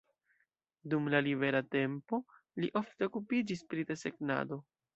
Dum la libera tempo li ofte okupiĝis pri desegnado.